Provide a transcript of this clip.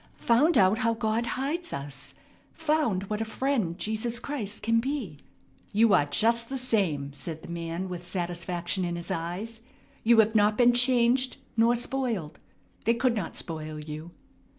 "Found out how God hides us. Found what a friend Jesus Christ can be." "You are just the same," said the man with satisfaction in his eyes. "You have not been changed nor spoiled. They could not spoil you."